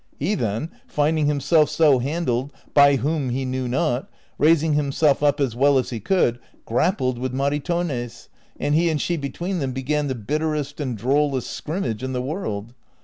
He then, finding himself so handled, by whom he knew not, raising himself up as well as he could, grappled with Mari tornes, and he and she between them began the bitterest and drollest scrimmage in the world.